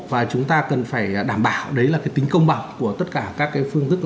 và chúng ta cần phải đảm bảo đấy là cái tính công bằng của tất cả các cái phương thức